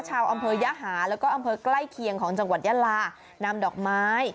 ชาวอำเภอยหาแล้วก็อำเภอใกล้เคียงของจังหวัดยาลานำดอกไม้